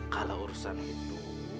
kalau urusan itu